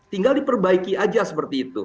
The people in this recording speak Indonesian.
tinggal diperbaiki aja seperti itu